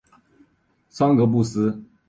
桑格布斯。